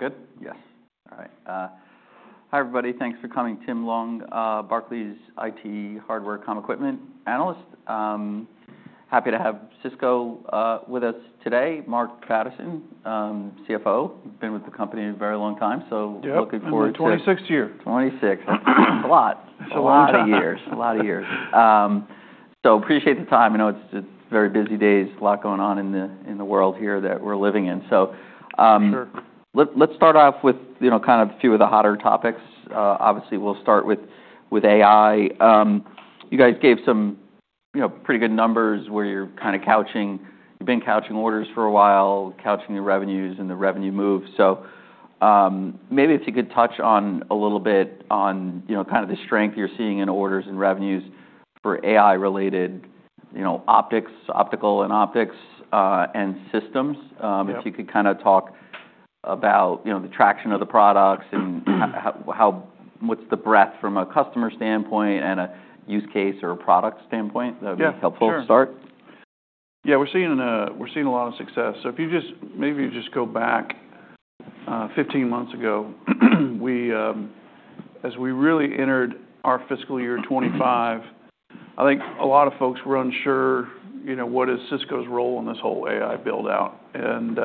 We're good? Yes. All right. Hi, everybody. Thanks for coming. Tim Long, Barclays IT hardware & comm equipment analyst. Happy to have Cisco with us today. Mark Patterson, CFO. Been with the company a very long time, so. Yeah. Looking forward to. It's my 26th year. 26th. That's a lot. It's a long time. A lot of years. So appreciate the time. I know it's very busy days. A lot going on in the world here that we're living in. So, Sure. Let's start off with, you know, kind of a few of the hotter topics. Obviously we'll start with AI. You guys gave some, you know, pretty good numbers where you're kind of couching. You've been couching orders for a while, couching the revenues and the revenue move. So, maybe if you could touch on a little bit on, you know, kind of the strength you're seeing in orders and revenues for AI-related, you know, optics, optical and optics, and systems. Yes. If you could kind of talk about, you know, the traction of the products and. Mm-hmm. How, what's the breadth from a customer standpoint and a use case or a product standpoint? That'd be. Yeah. Sure. Helpful to start. Yeah. We're seeing a lot of success. So if you just maybe go back 15 months ago, as we really entered our fiscal year 2025, I think a lot of folks were unsure, you know, what is Cisco's role in this whole AI build-out. And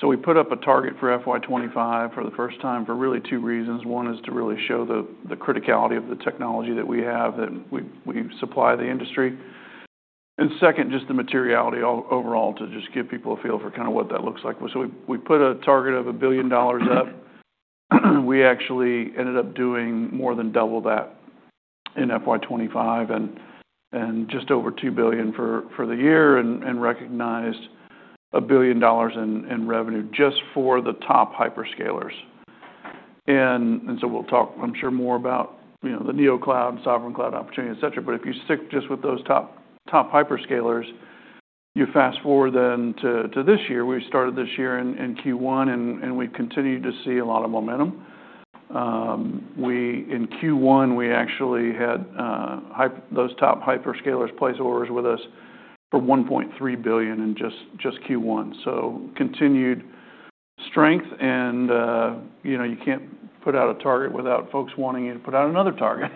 so we put up a target for FY2025 for the first time for really two reasons. One is to really show the criticality of the technology that we have that we supply the industry. And second, just the materiality overall to just give people a feel for kind of what that looks like. So we put a target of $1 billion up. We actually ended up doing more than double that in FY2025 and just over $2 billion for the year and recognized $1 billion in revenue just for the top hyperscalers, so we'll talk, I'm sure, more about, you know, the NeoCloud, Sovereign Cloud opportunity, etc., but if you stick just with those top hyperscalers, you fast-forward then to this year. We started this year in Q1 and we continue to see a lot of momentum. We in Q1 actually had those top hyperscalers place orders with us for $1.3 billion in just Q1, so continued strength and, you know, you can't put out a target without folks wanting you to put out another target,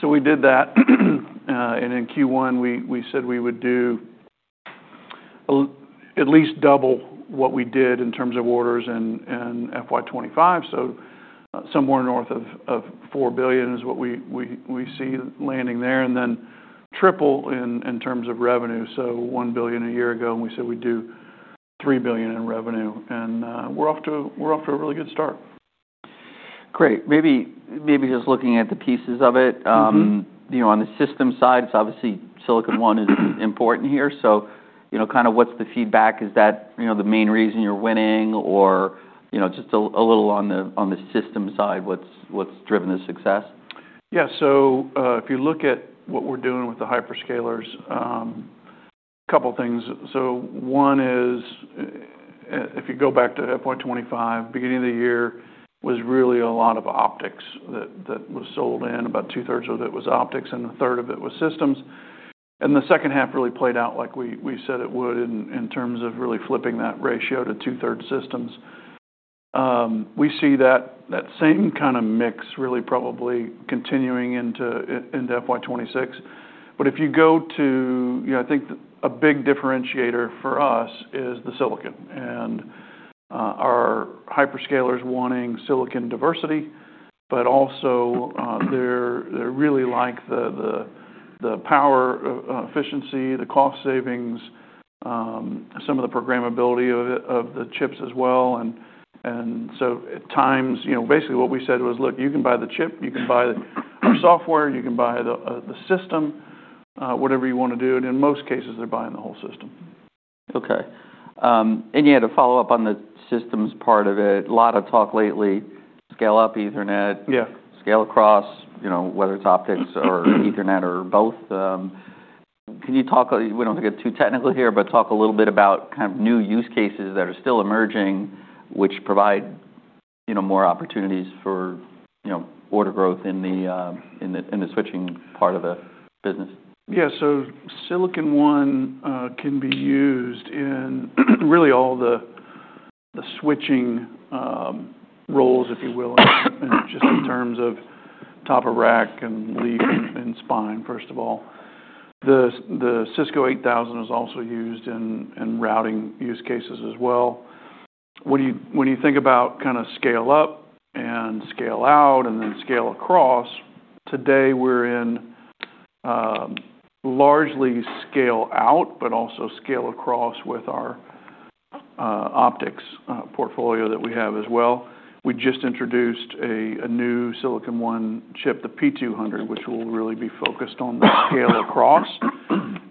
so we did that. And in Q1, we said we would do at least double what we did in terms of orders in FY2025. So somewhere north of $4 billion is what we see landing there and then triple in terms of revenue. So $1 billion a year ago and we said we'd do $3 billion in revenue. And we're off to a really good start. Great. Maybe just looking at the pieces of it. Mm-hmm. You know, on the system side, it's obviously Silicon One is important here. So, you know, kind of what's the feedback? Is that, you know, the main reason you're winning or, you know, just a little on the system side, what's driven the success? Yeah. So, if you look at what we're doing with the hyperscalers, a couple things, so one is, if you go back to FY2025, beginning of the year was really a lot of optics that was sold in. About two-thirds of it was optics and a third of it was systems, and the second half really played out like we said it would in terms of really flipping that ratio to two-thirds systems. We see that same kind of mix really probably continuing into FY2026, but if you go to, you know, I think a big differentiator for us is the Silicon, and our hyperscalers wanting Silicon diversity, but also, they're really like the power, efficiency, the cost savings, some of the programmability of it, of the chips as well. So at times, you know, basically what we said was, "Look, you can buy the chip, you can buy the software, you can buy the system, whatever you want to do." In most cases, they're buying the whole system. Okay, and yeah, to follow up on the systems part of it, a lot of talk lately, scale up Ethernet. Yeah. Scale across, you know, whether it's optics or Ethernet or both. Can you talk, we don't have to get too technical here, but talk a little bit about kind of new use cases that are still emerging, which provide, you know, more opportunities for, you know, order growth in the switching part of the business? Yeah. So Silicon One can be used in really all the switching roles, if you will, and just in terms of top of rack and leaf and spine, first of all. The Cisco 8000 is also used in routing use cases as well. When you think about kind of scale up and scale out and then scale across, today we're in largely scale out, but also scale across with our optics portfolio that we have as well. We just introduced a new Silicon One chip, the P200, which will really be focused on the scale across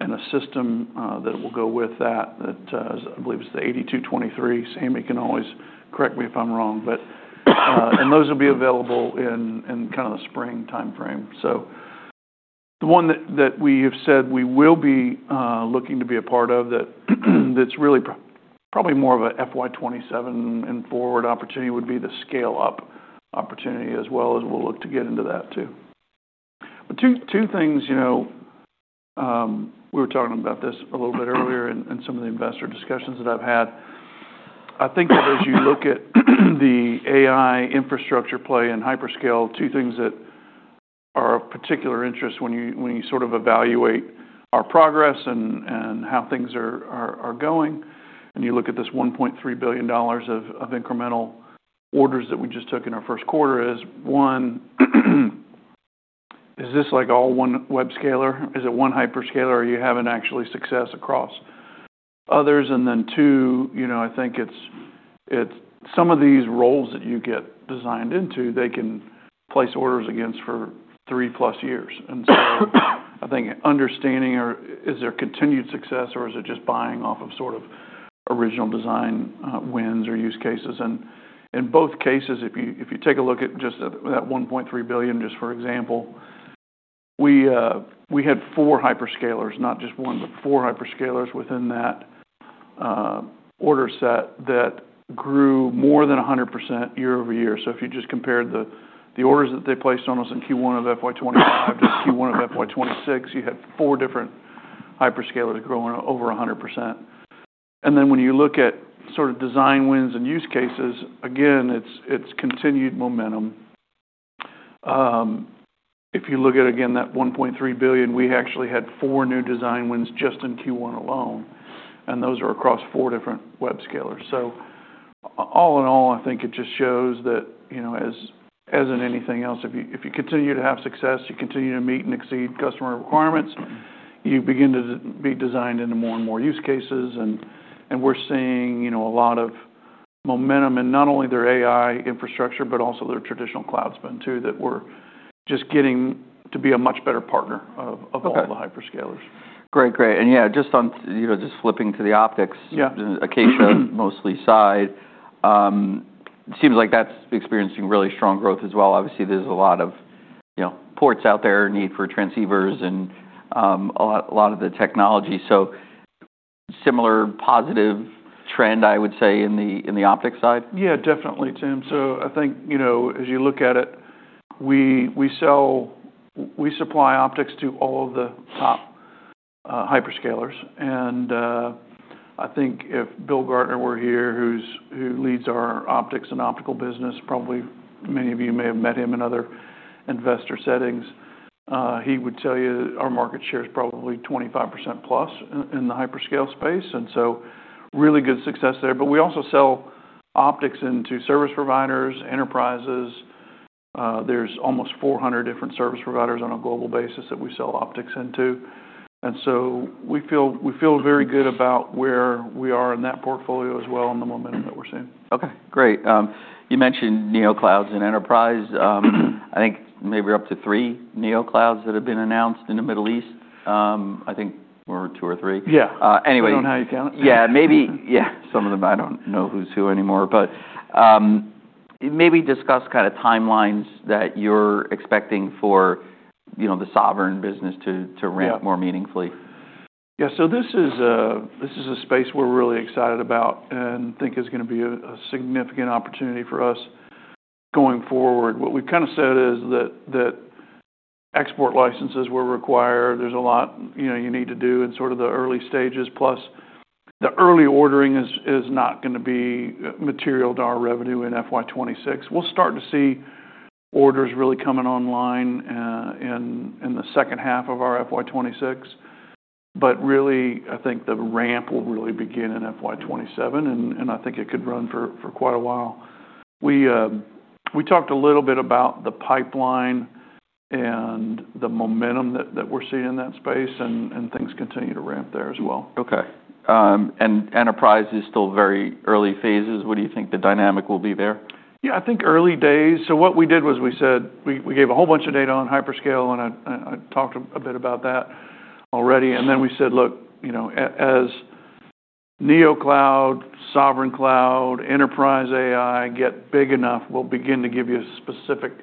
and a system that will go with that, that I believe is the 8223. Sammy can always correct me if I'm wrong, but and those will be available in kind of the spring timeframe. So the one that we have said we will be looking to be a part of that, that's really probably more of a FY2027 and forward opportunity would be the scale up opportunity as well as we'll look to get into that too. But two things, you know, we were talking about this a little bit earlier in some of the investor discussions that I've had. I think that as you look at the AI infrastructure play in hyperscale, two things that are of particular interest when you sort of evaluate our progress and how things are going, and you look at this $1.3 billion of incremental orders that we just took in our first quarter is one, is this like all one webscaler? Is it one hyperscaler? Are you having actually success across others? And then two, you know, I think it's some of these roles that you get designed into. They can place orders against for three-plus years. And so I think understanding or is there continued success or is it just buying off of sort of original design wins or use cases? And in both cases, if you take a look at just that $1.3 billion, just for example, we had four hyperscalers, not just one, but four hyperscalers within that order set that grew more than 100% year over year. So if you just compared the orders that they placed on us in Q1 of FY2025 to Q1 of FY2026, you had four different hyperscalers growing over 100%. And then when you look at sort of design wins and use cases, again, it's continued momentum. If you look at, again, that $1.3 billion, we actually had four new design wins just in Q1 alone, and those are across four different webscalers. All in all, I think it just shows that, you know, as in anything else, if you continue to have success, you continue to meet and exceed customer requirements, you begin to be designed into more and more use cases. We're seeing, you know, a lot of momentum in not only their AI infrastructure, but also their traditional cloud spend too, that we're just getting to be a much better partner of all the hyperscalers. Great. Great. And yeah, just on, you know, just flipping to the optics. Yeah. And Acacia mostly side, seems like that's experiencing really strong growth as well. Obviously, there's a lot of, you know, ports out there, need for transceivers and, a lot, a lot of the technology. So similar positive trend, I would say, in the optics side? Yeah. Definitely, Tim. So I think, you know, as you look at it, we sell, we supply optics to all of the top hyperscalers. And I think if Bill Gartner were here, who leads our optics and optical business, probably many of you may have met him in other investor settings, he would tell you our market share's probably 25% plus in the hyperscale space. And so really good success there. But we also sell optics into service providers, enterprises. There's almost 400 different service providers on a global basis that we sell optics into. And so we feel very good about where we are in that portfolio as well and the momentum that we're seeing. Okay. Great. You mentioned NeoClouds and enterprise. I think maybe up to three NeoClouds that have been announced in the Middle East. I think were two or three. Yeah. anyway. I don't know how you count them. Yeah. Maybe, yeah. Some of them, I don't know who's who anymore. But, maybe discuss kind of timelines that you're expecting for, you know, the sovereign business to ramp more meaningfully. Yeah. So this is a space we're really excited about and think is going to be a significant opportunity for us going forward. What we've kind of said is that export licenses were required. There's a lot, you know, you need to do in sort of the early stages. Plus the early ordering is not going to be material to our revenue in FY2026. We'll start to see orders really coming online in the second half of our FY2026. But really, I think the ramp will really begin in FY2027. And I think it could run for quite a while. We talked a little bit about the pipeline and the momentum that we're seeing in that space and things continue to ramp there as well. Okay, and enterprise is still very early phases. What do you think the dynamic will be there? Yeah. I think early days. So what we did was we said we gave a whole bunch of data on hyperscale and I talked a bit about that already. And then we said, "Look, you know, as NeoCloud, Sovereign Cloud, Enterprise AI get big enough, we'll begin to give you specific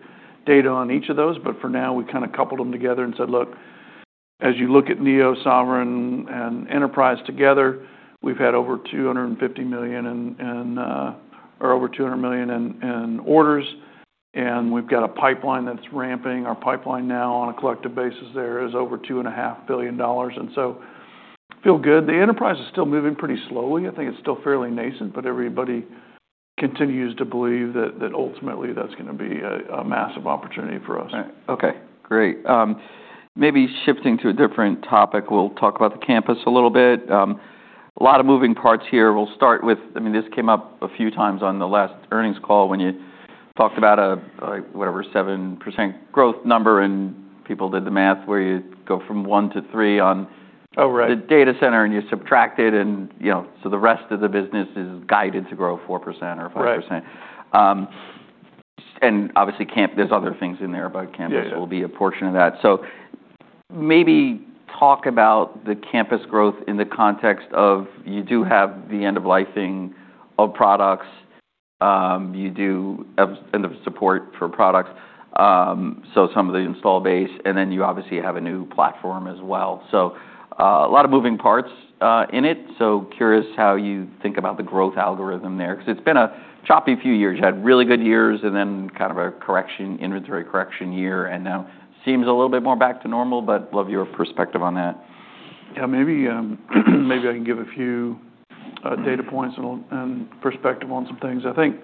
data on each of those." But for now, we kind of coupled them together and said, "Look, as you look at neo, Sovereign, and Enterprise together, we've had over $250 million in, or over $200 million in orders. And we've got a pipeline that's ramping. Our pipeline now on a collective basis there is over $2.5 billion." And so feel good. The enterprise is still moving pretty slowly. I think it's still fairly nascent, but everybody continues to believe that ultimately that's going to be a massive opportunity for us. Right. Okay. Great. Maybe shifting to a different topic, we'll talk about the campus a little bit. A lot of moving parts here. We'll start with, I mean, this came up a few times on the last earnings call when you talked about a, a whatever, 7% growth number and people did the math where you go from one to three on. Oh, right. The data center and you subtract it and, you know, so the rest of the business is guided to grow 4% or 5%. Right. And obviously campus, there's other things in there, but campus will be a portion of that. So maybe talk about the campus growth in the context of you do have the end-of-life thing of products. You do have end-of-support for products. So some of the install base and then you obviously have a new platform as well. So a lot of moving parts in it. So curious how you think about the growth algorithm there. Because it's been a choppy few years. You had really good years and then kind of a correction, inventory correction year. And now seems a little bit more back to normal, but love your perspective on that. Yeah. Maybe I can give a few data points and perspective on some things. I think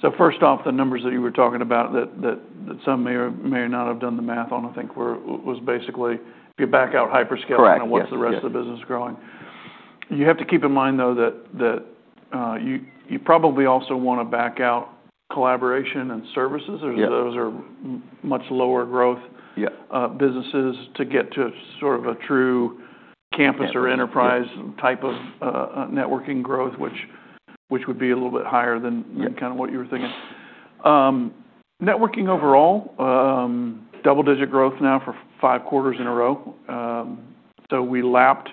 so first off, the numbers that you were talking about that some may or may not have done the math on, I think was basically if you back out hyperscale and what's the rest of the business growing. Correct. You have to keep in mind though that you probably also want to back out collaboration and services. Yeah. Those are much lower growth. Yeah. businesses to get to sort of a true campus or enterprise type of networking growth, which would be a little bit higher than kind of what you were thinking. Networking overall double-digit growth now for five quarters in a row, so we lapped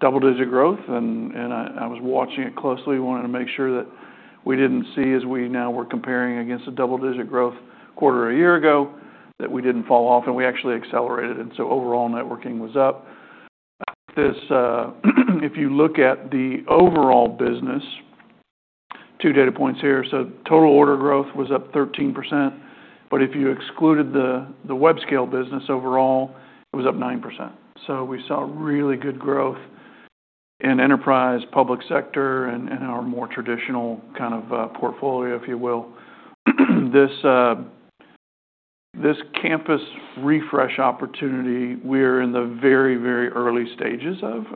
double-digit growth and I was watching it closely, wanting to make sure that we didn't see, as we now were comparing against the double-digit growth quarter a year ago, that we didn't fall off and we actually accelerated, and so overall networking was up. I think this if you look at the overall business, two data points here, so total order growth was up 13%, but if you excluded the web scale business overall, it was up 9%, so we saw really good growth in enterprise, public sector, and our more traditional kind of portfolio, if you will. This campus refresh opportunity, we're in the very, very early stages of.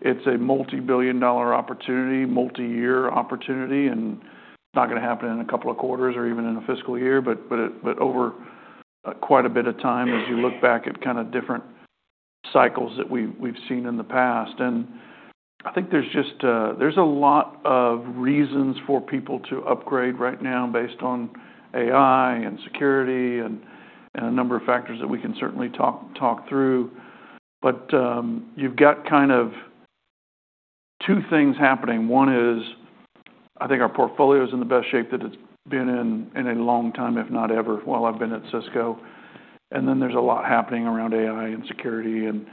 It's a multi-billion dollar opportunity, multi-year opportunity and it's not going to happen in a couple of quarters or even in a fiscal year, but over quite a bit of time as you look back at kind of different cycles that we've seen in the past, and I think there's just a lot of reasons for people to upgrade right now based on AI and security and a number of factors that we can certainly talk through, but you've got kind of two things happening. One is I think our portfolio is in the best shape that it's been in a long time, if not ever, while I've been at Cisco. And then there's a lot happening around AI and security and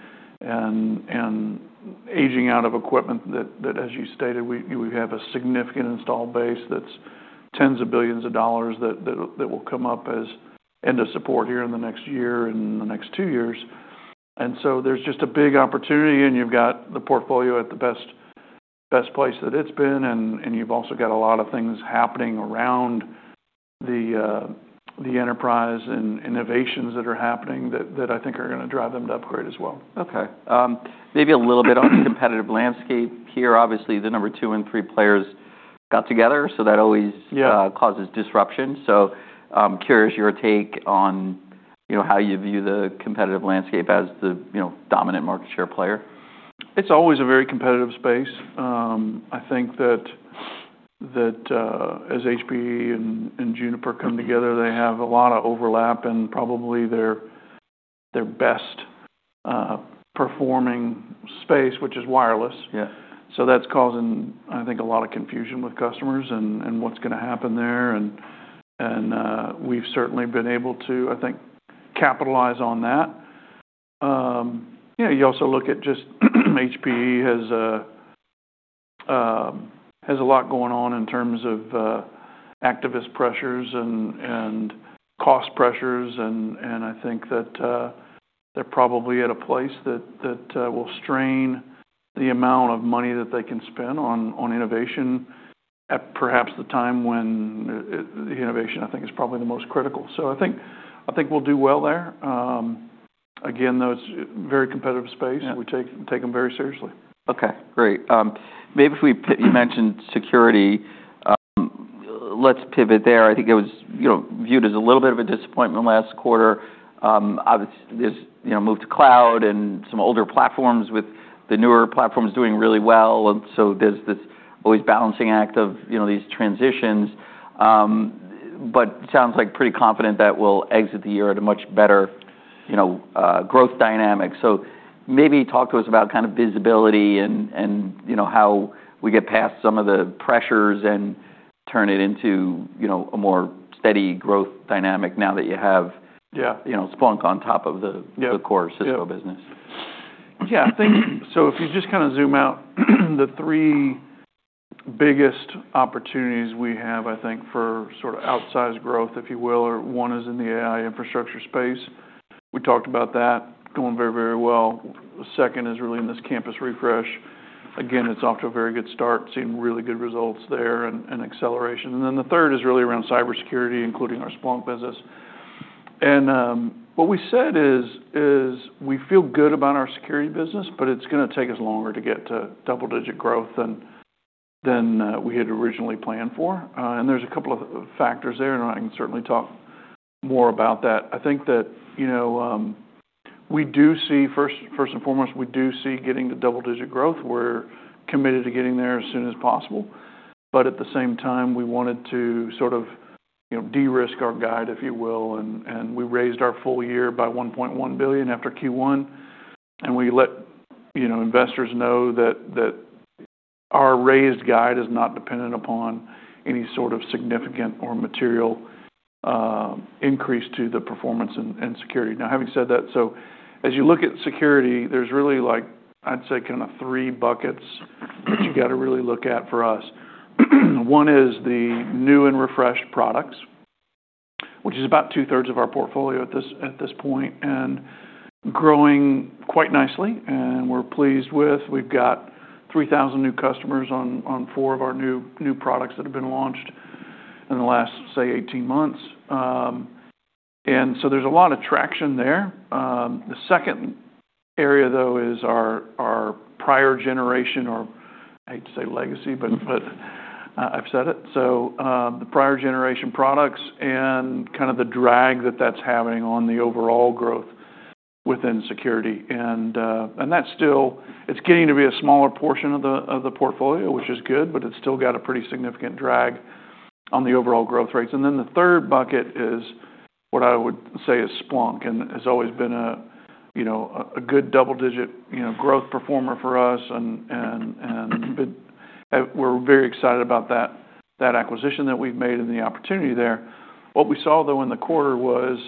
aging out of equipment that, as you stated, we have a significant installed base that's tens of billions of dollars that will come up as end-of-support here in the next year and in the next two years. And so there's just a big opportunity and you've got the portfolio at the best place that it's been. And you've also got a lot of things happening around the enterprise and innovations that are happening that I think are going to drive them to upgrade as well. Okay, maybe a little bit on the competitive landscape here. Obviously the number two and three players got together. So that always. Yeah. Causes disruption. So, curious your take on, you know, how you view the competitive landscape as the, you know, dominant market share player? It's always a very competitive space. I think that, as HPE and Juniper come together, they have a lot of overlap and probably their best performing space, which is wireless. Yeah. So that's causing, I think, a lot of confusion with customers and we've certainly been able to, I think, capitalize on that. You know, you also look at just HPE has a lot going on in terms of activist pressures and cost pressures. And I think that they're probably at a place that will strain the amount of money that they can spend on innovation at perhaps the time when the innovation, I think, is probably the most critical. So I think we'll do well there. Again, though, it's a very competitive space. Yeah. We take them very seriously. Okay. Great. Maybe if we, you mentioned security. Let's pivot there. I think it was, you know, viewed as a little bit of a disappointment last quarter. Obviously there's, you know, move to cloud and some older platforms with the newer platforms doing really well, and so there's this always balancing act of, you know, these transitions, but sounds like pretty confident that will exit the year at a much better, you know, growth dynamic, so maybe talk to us about kind of visibility and, you know, how we get past some of the pressures and turn it into, you know, a more steady growth dynamic now that you have. Yeah. You know, Splunk on top of the. Yeah. The core Cisco business. Yeah. I think so, if you just kind of zoom out, the three biggest opportunities we have, I think, for sort of outsized growth, if you will, are one is in the AI infrastructure space. We talked about that going very, very well. Second is really in this campus refresh. Again, it's off to a very good start, seeing really good results there and acceleration. And then the third is really around cybersecurity, including our Splunk business. And what we said is we feel good about our security business, but it's going to take us longer to get to double-digit growth than we had originally planned for. And there's a couple of factors there, and I can certainly talk more about that. I think that, you know, we do see first and foremost we do see getting to double-digit growth. We're committed to getting there as soon as possible. But at the same time, we wanted to sort of, you know, de-risk our guide, if you will. And we raised our full year by $1.1 billion after Q1. And we let, you know, investors know that our raised guide is not dependent upon any sort of significant or material increase to the performance and security. Now, having said that, so as you look at security, there's really like, I'd say kind of three buckets that you got to really look at for us. One is the new and refreshed products, which is about two-thirds of our portfolio at this point and growing quite nicely. And we're pleased with we've got 3,000 new customers on four of our new products that have been launched in the last, say, 18 months. And so there's a lot of traction there. The second area though is our prior generation or I hate to say legacy, but I've said it, so the prior generation products and kind of the drag that that's having on the overall growth within security, and that's still getting to be a smaller portion of the portfolio, which is good, but it's still got a pretty significant drag on the overall growth rates, and then the third bucket is what I would say is Splunk and has always been, you know, a good double-digit, you know, growth performer for us, and we're very excited about that acquisition that we've made and the opportunity there. What we saw though in the quarter was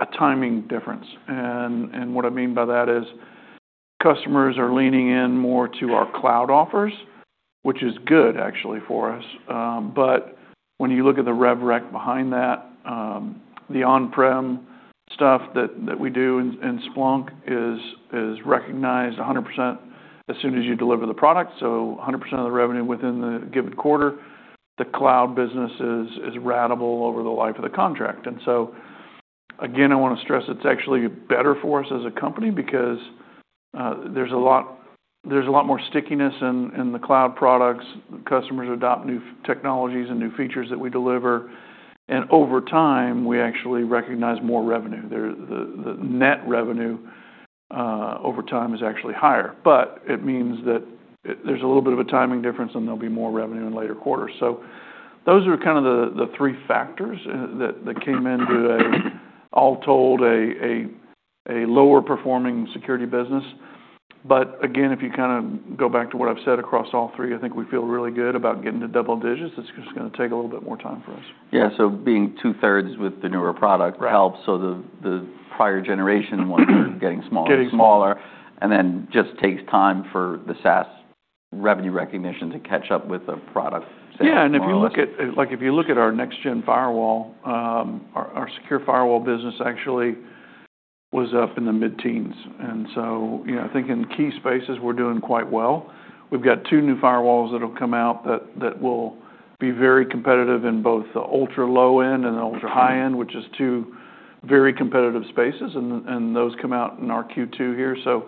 a timing difference. What I mean by that is customers are leaning in more to our cloud offers, which is good actually for us, but when you look at the rev rec behind that, the on-prem stuff that we do in Splunk is recognized 100% as soon as you deliver the product, so 100% of the revenue within the given quarter. The cloud business is ratable over the life of the contract, and so again I want to stress it's actually better for us as a company because there's a lot more stickiness in the cloud products. Customers adopt new technologies and new features that we deliver, and over time we actually recognize more revenue. The net revenue over time is actually higher. But it means that there's a little bit of a timing difference and there'll be more revenue in later quarters. So those are kind of the three factors that came into, all told, a lower performing security business. But again, if you kind of go back to what I've said across all three, I think we feel really good about getting to double digits. It's just going to take a little bit more time for us. Yeah, so being two-thirds with the newer product. Right. Helps, so the prior generation ones are getting smaller. Getting smaller. And then just takes time for the SaaS revenue recognition to catch up with the product sales. Yeah. And if you look at, like, our nextgen firewall, our Secure Firewall business actually was up in the mid-teens. And so, you know, I think in key spaces we're doing quite well. We've got two new firewalls that will come out that will be very competitive in both the ultra low end and the ultra high end, which is two very competitive spaces. And those come out in our Q2 here. So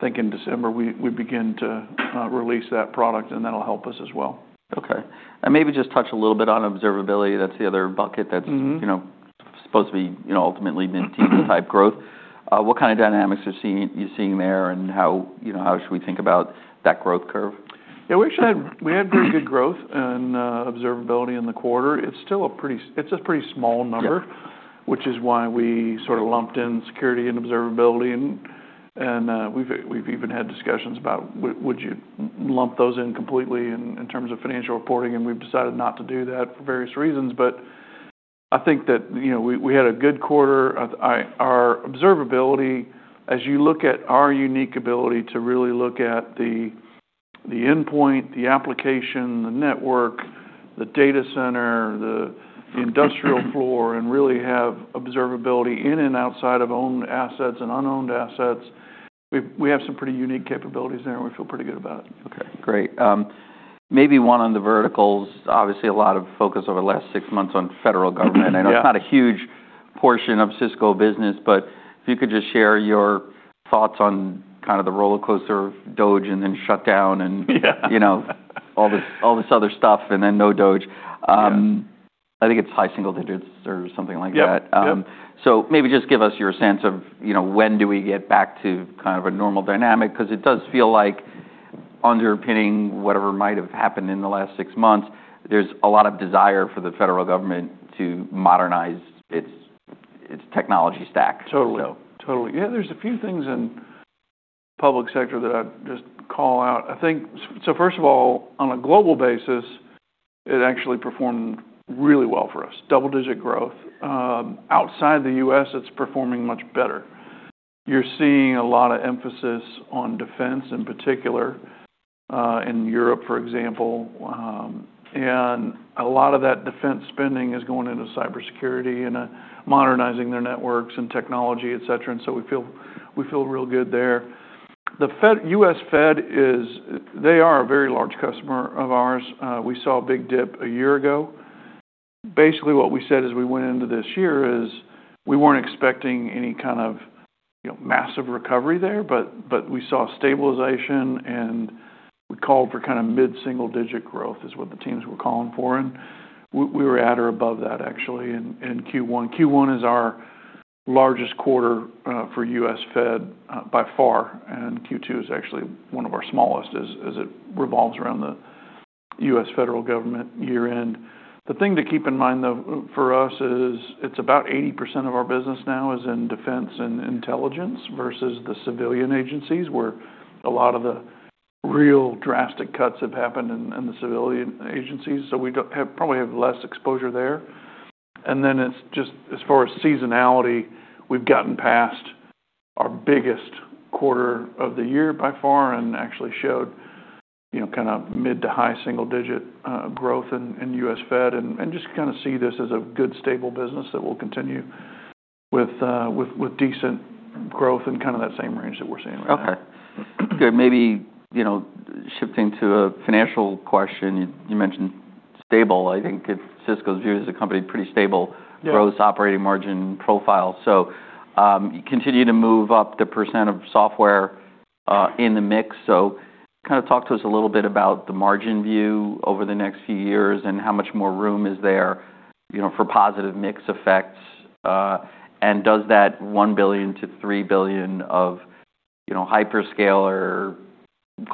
I think in December we begin to release that product and that'll help us as well. Okay. And maybe just touch a little bit on observability. That's the other bucket that's. Mm-hmm. You know, supposed to be, you know, ultimately mid-teens type growth. What kind of dynamics are you seeing there and how, you know, how should we think about that growth curve? Yeah. We actually had very good growth and observability in the quarter. It's still a pretty small number. Yeah. Which is why we sort of lumped in security and observability and we've even had discussions about would you lump those in completely in terms of financial reporting. And we've decided not to do that for various reasons. But I think that, you know, we had a good quarter. Our observability, as you look at our unique ability to really look at the endpoint, the application, the network, the data center, the industrial floor and really have observability in and outside of owned assets and unowned assets, we have some pretty unique capabilities there and we feel pretty good about it. Okay. Great. Maybe one on the verticals. Obviously a lot of focus over the last six months on federal government. I know it's not a huge portion of Cisco business, but if you could just share your thoughts on kind of the roller coaster of DOGE and then shut down and. Yeah. You know, all this, all this other stuff and then no DOGE. I think it's high single digits or something like that. Yeah. So maybe just give us your sense of, you know, when do we get back to kind of a normal dynamic? Because it does feel like underpinning whatever might have happened in the last six months, there's a lot of desire for the federal government to modernize its technology stack. Totally. So. Totally. Yeah. There's a few things in the public sector that I'd just call out. I think so, so first of all, on a global basis, it actually performed really well for us. Double-digit growth outside the U.S. It's performing much better. You're seeing a lot of emphasis on defense in particular, in Europe, for example, and a lot of that defense spending is going into cybersecurity and modernizing their networks and technology, etc. So we feel, we feel real good there. The Fed, U.S. Fed, is. They are a very large customer of ours. We saw a big dip a year ago. Basically what we said as we went into this year is we weren't expecting any kind of, you know, massive recovery there, but, but we saw stabilization and we called for kind of mid-single digit growth is what the teams were calling for. We were at or above that actually in Q1. Q1 is our largest quarter for U.S. Fed, by far. Q2 is actually one of our smallest as it revolves around the U.S. federal government year-end. The thing to keep in mind though for us is it's about 80% of our business now is in defense and intelligence versus the civilian agencies where a lot of the real drastic cuts have happened in the civilian agencies. So we do have probably less exposure there. Then it's just as far as seasonality, we've gotten past our biggest quarter of the year by far and actually showed, you know, kind of mid- to high-single-digit growth in U.S. Fed. And just kind of see this as a good stable business that will continue with decent growth in kind of that same range that we're seeing right now. Okay. Good. Maybe, you know, shifting to a financial question. You mentioned stable. I think Cisco's view as a company pretty stable. Yeah. Growth, operating margin profile. So, continue to move up the percent of software, in the mix. So kind of talk to us a little bit about the margin view over the next few years and how much more room is there, you know, for positive mix effects, and does that $1 billion-$3 billion of, you know, hyperscaler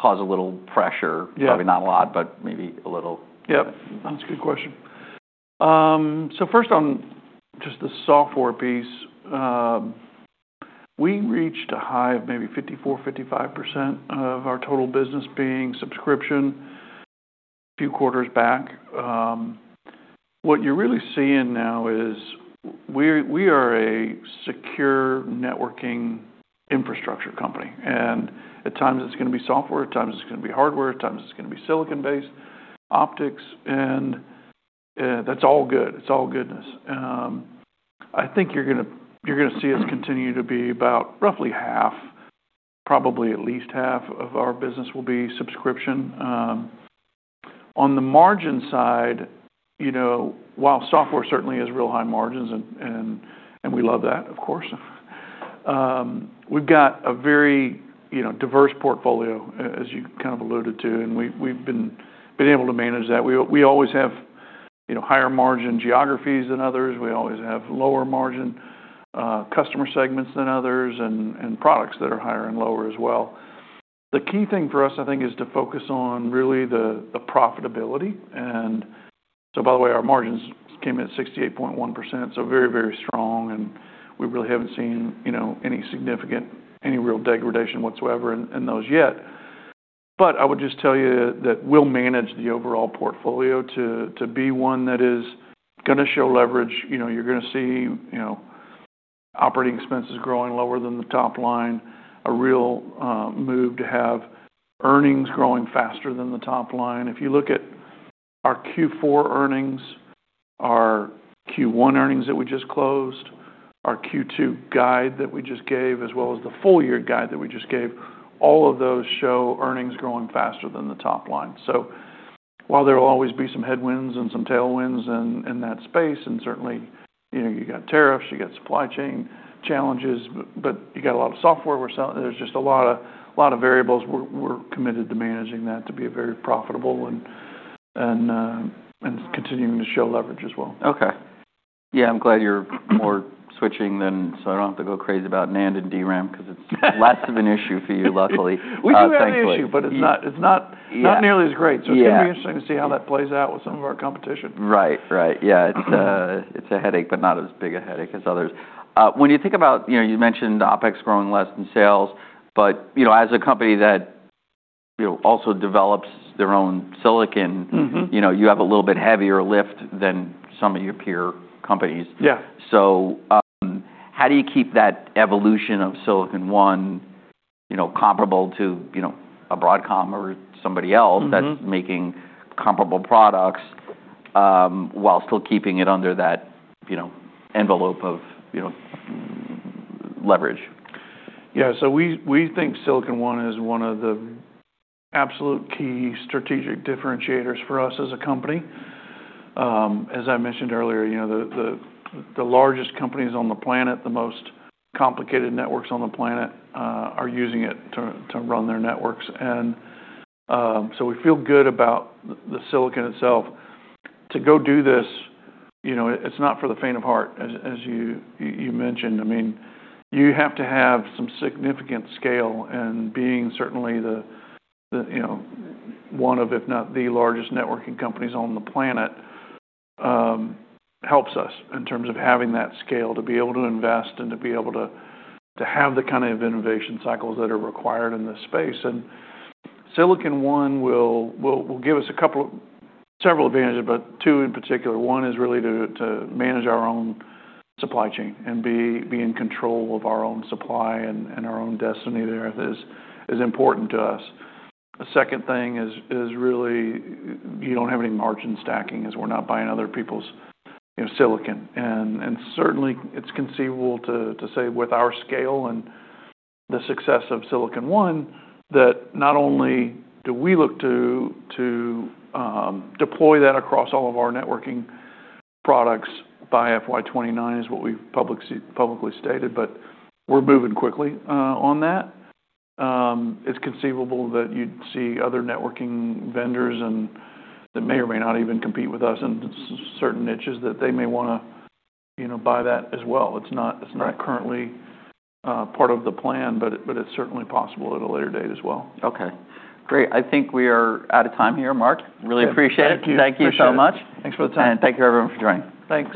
cause a little pressure? Yeah. Probably not a lot, but maybe a little. Yep. That's a good question. So first on just the software piece, we reached a high of maybe 54%-55% of our total business being subscription a few quarters back. What you're really seeing now is we are a secure networking infrastructure company. And at times it's going to be software, at times it's going to be hardware, at times it's going to be Silicon-based, optics. And that's all good. It's all goodness. I think you're going to see us continue to be about roughly half, probably at least half of our business will be subscription. On the margin side, you know, while software certainly has real high margins and we love that, of course, we've got a very, you know, diverse portfolio, as you kind of alluded to. And we've been able to manage that. We always have, you know, higher margin geographies than others. We always have lower margin customer segments than others and products that are higher and lower as well. The key thing for us, I think, is to focus on really the profitability. And so, by the way, our margins came in at 68.1%. So very, very strong. And we really haven't seen, you know, any significant real degradation whatsoever in those yet. But I would just tell you that we'll manage the overall portfolio to be one that is going to show leverage. You know, you're going to see, you know, operating expenses growing lower than the top line, a real move to have earnings growing faster than the top line. If you look at our Q4 earnings, our Q1 earnings that we just closed, our Q2 guide that we just gave, as well as the full year guide that we just gave, all of those show earnings growing faster than the top line, so while there will always be some headwinds and some tailwinds in that space, and certainly, you know, you got tariffs, you got supply chain challenges, but you got a lot of software we're selling. There's just a lot of variables. We're committed to managing that to be very profitable and continuing to show leverage as well. Okay. Yeah. I'm glad you're more switching than so I don't have to go crazy about NAND and DRAM because it's less of an issue for you, luckily. We do have that issue, but it's not nearly as great. Yeah. So it's going to be interesting to see how that plays out with some of our competition. Right. Right. Yeah. It's a headache, but not as big a headache as others. When you think about, you know, you mentioned OpEx growing less than sales, but, you know, as a company that, you know, also develops their own Silicon. Mm-hmm. You know, you have a little bit heavier lift than some of your peer companies. Yeah. So, how do you keep that evolution of Silicon One, you know, comparable to, you know, a Broadcom or somebody else that's making comparable products, while still keeping it under that, you know, envelope of, you know, leverage? Yeah. So we think Silicon One is one of the absolute key strategic differentiators for us as a company. As I mentioned earlier, you know, the largest companies on the planet, the most complicated networks on the planet, are using it to run their networks. And so we feel good about the Silicon itself. To go do this, you know, it's not for the faint of heart, as you mentioned. I mean, you have to have some significant scale. And being certainly, you know, one of, if not the largest networking companies on the planet, helps us in terms of having that scale to be able to invest and to be able to have the kind of innovation cycles that are required in this space. And Silicon One will give us a couple of several advantages, but two in particular. One is really to manage our own supply chain and be in control of our own supply and our own destiny there is important to us. A second thing is really you don't have any margin stacking as we're not buying other people's, you know, Silicon. And certainly it's conceivable to say with our scale and the success of Silicon One that not only do we look to deploy that across all of our networking products by FY2029 is what we've publicly stated, but we're moving quickly on that. It's conceivable that you'd see other networking vendors and that may or may not even compete with us in certain niches that they may want to, you know, buy that as well. It's not currently part of the plan, but it's certainly possible at a later date as well. Okay. Great. I think we are out of time here, Mark. Really appreciate it. Thank you. Thank you so much. Thanks for the time. Thank you everyone for joining. Thanks.